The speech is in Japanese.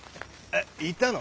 いたの？